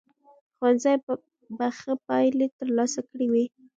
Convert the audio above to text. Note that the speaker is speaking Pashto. ښوونځي به ښه پایلې ترلاسه کړې وي.